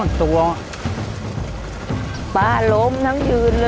ขอเพียงคุณสามารถที่จะเอ่ยเอื้อนนะครับ